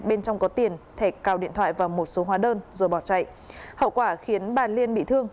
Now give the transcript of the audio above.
bên trong có tiền thẻ cào điện thoại và một số hóa đơn rồi bỏ chạy hậu quả khiến bà liên bị thương